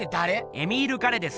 エミール・ガレです。